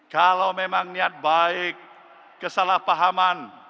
kalau memang niat baik kesalahpahaman